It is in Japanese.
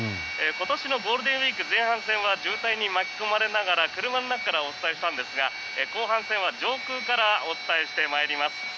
今年のゴールデンウィーク前半戦は渋滞に巻き込まれながら車の中からお伝えしたんですが後半戦は上空からお伝えしてまいります。